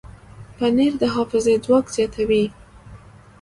پنېر د حافظې ځواک زیاتوي.